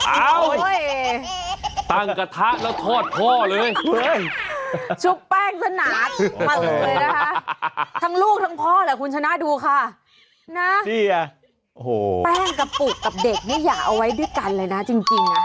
ตั้งกระทะแล้วทอดพ่อเลยชุบแป้งสนานมาเลยนะคะทั้งลูกทั้งพ่อแหละคุณชนะดูค่ะนะแป้งกระปุกกับเด็กนี่อย่าเอาไว้ด้วยกันเลยนะจริงนะ